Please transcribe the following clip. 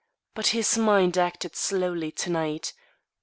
But his mind acted slowly to night.